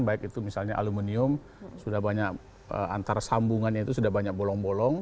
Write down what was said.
baik itu misalnya aluminium sudah banyak antara sambungannya itu sudah banyak bolong bolong